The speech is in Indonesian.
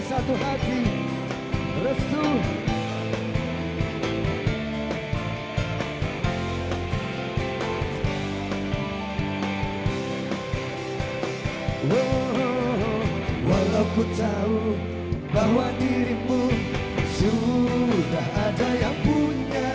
walaupun ku tak tahu bahwa dirimu sudah ada yang punya